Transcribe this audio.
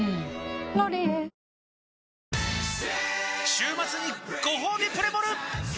週末にごほうびプレモル！